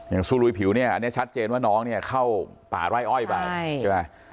อย่างซูลุยผิวเนี่ยอันนี้ชัดเจนว่าน้องเข้าป่าร่ายอ้อยบ้างใช่ใช่